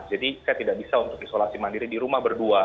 jadi saya tidak bisa untuk isolasi mandiri di rumah berdua